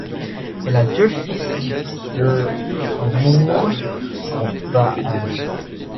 Elle a deux fils qui tous deux mourent en bas âge.